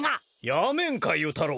やめんか由太郎！